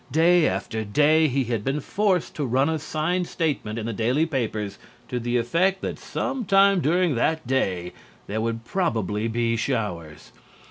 Day after day he had been forced to run a signed statement in the daily papers to the effect that some time during that day there would probably be showers.